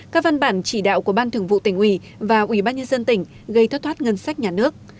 các văn bản chỉ đạo của ban thường vụ tỉnh uỷ và ubnd tỉnh gây thoát thoát ngân sách nhà nước